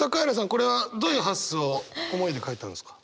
これはどういう発想思いで書いたんですか？